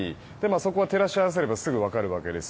そこは照らし合わせればすぐにわかるわけです。